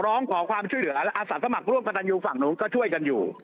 ร้องขอความช่วยเหลือและอาสาสมัครร่วมกับตันยูฝั่งนู้นก็ช่วยกันอยู่